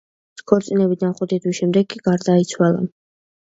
ქორწინებიდან ხუთი თვის შემდეგ კი გარდაიცვალა.